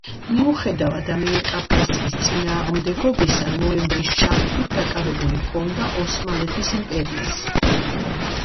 მიუხედავად ამიერკავკასიის წინააღმდეგობისა, ნოემბრის ჩათვლით დაკავებული ჰქონდა ოსმალეთის იმპერიას.